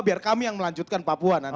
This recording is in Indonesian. biar kami yang melanjutkan papua nanti